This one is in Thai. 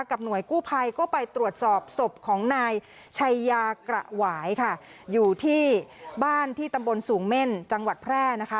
หน่วยกู้ภัยก็ไปตรวจสอบศพของนายชัยยากระหวายค่ะอยู่ที่บ้านที่ตำบลสูงเม่นจังหวัดแพร่นะคะ